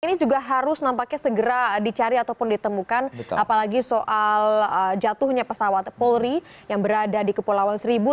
ini juga harus nampaknya segera dicari ataupun ditemukan apalagi soal jatuhnya pesawat polri yang berada di kepulauan seribu